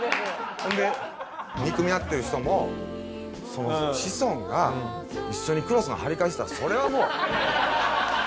ほんで憎み合ってる人も子孫が一緒にクロスの張り替えしてたらそれはもう。